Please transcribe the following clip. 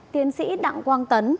tiến sĩ đặng quang tấn